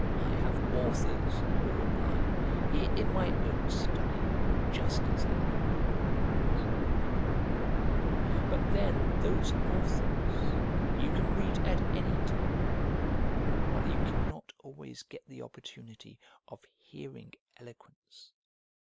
"I have authors," you will reply, "here in my own study, just as eloquent." True: but then those authors you can read at any time, while you cannot always get the opportunity of hearing eloquence.